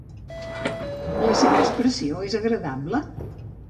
La seva expressió és agradable?